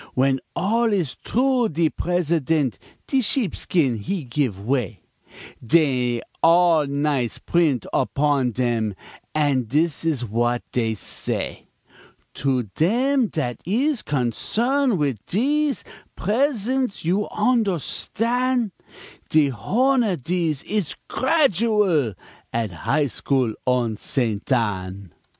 W'en all is t'roo de presi_dent_ De sheepskin he geeve 'way; Dey're all nice print opon dem, An' dis is w'at dey say: "To dem dat is concern' wid dese Pres_ents_ you onderstan' De h'owner dese; is gradual At High School on Ste. Anne."